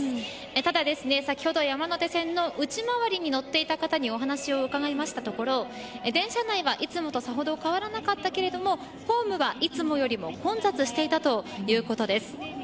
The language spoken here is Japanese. ただ、先ほど山手線の内回りに乗っていた方にお話を伺いましたところ電車内は、いつもとさほど変わらなかったけどもホームはいつもよりも混雑していたということです。